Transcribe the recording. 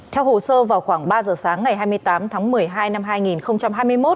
theo hồ sơ vào khoảng ba giờ sáng ngày hai mươi tám tháng một mươi hai năm hai nghìn hai mươi một